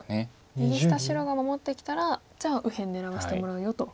右下白が守ってきたらじゃあ右辺狙わしてもらうよと。